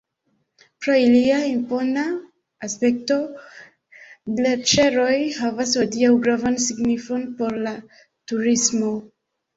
Pro ilia impona aspekto glaĉeroj havas hodiaŭ gravan signifon por la turismo.